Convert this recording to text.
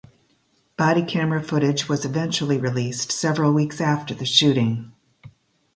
Body camera footage was eventually released several weeks after the shooting.